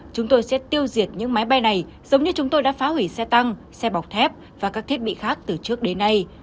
chúng tôi sẽ tiêu diệt những máy bay này giống như chúng tôi đã phá hủy xe tăng xe bọc thép và các thiết bị khác từ trước đến nay